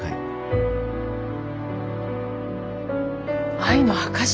愛の証し？